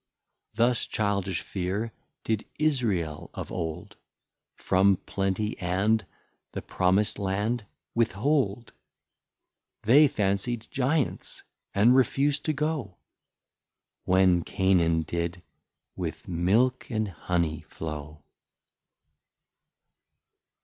Thus Childish fear did Israel of old From Plenty and the Promis'd Land with hold; They fancy'd Giants, and refus'd to go, When Canaan did with Milk and Honey flow.